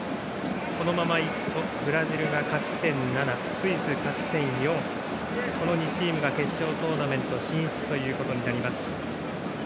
このままいくとブラジルが勝ち点７スイスが勝ち点４この２チームが決勝トーナメント進出となります。